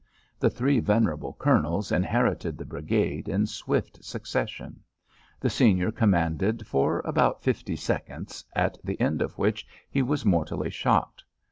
The three venerable Colonels inherited the brigade in swift succession. The senior commanded for about fifty seconds, at the end of which he was mortally shot.